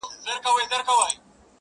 o ته دي ټپه په اله زار پيل کړه،